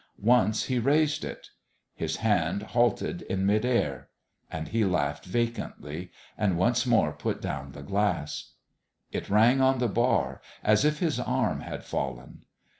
Once he raised it. His hand halted in mid air; and he laughed vacantly and once more put down the glass. It rang on the bar as if his arm had fallen.